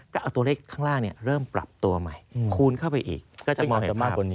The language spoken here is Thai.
ก็เอาตัวเลขข้างล่างเริ่มปรับตัวใหม่คูณเข้าไปอีกก็จะมองกันมากกว่านี้